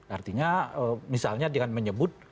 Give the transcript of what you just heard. artinya misalnya dengan menyebut